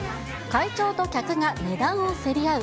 会長と客が値段を競り合う